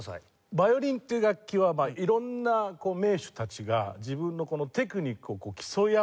ヴァイオリンっていう楽器は色んな名手たちが自分のこのテクニックを競い合うみたいな。